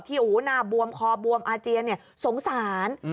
ที่หูหน้าบวมคอบวมอาเจียเนี่ยสงสาร